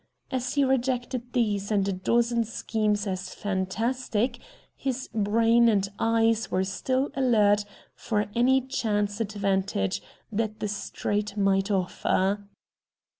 As he rejected these and a dozen schemes as fantastic, his brain and eyes were still alert for any chance advantage that the street might offer.